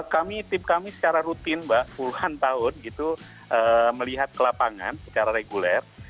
kami tim kami secara rutin mbak puluhan tahun gitu melihat ke lapangan secara reguler